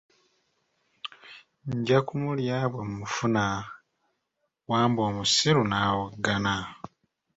Nja kumulya bwe mmufuna, Wambwa omusiru n'awoggana.